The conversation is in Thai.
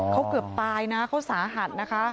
เขาเกือบตายนะเขาสาหัสนะคะ